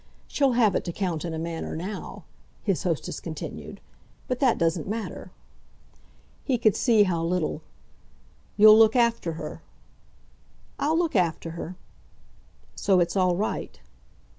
She'll have it to count, in a manner, now," his hostess continued. "But that doesn't matter." He could see how little. "You'll look after her." "I'll look after her." "So it's all right."